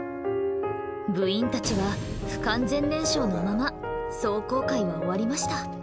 部員たちは不完全燃焼のまま壮行会は終わりました。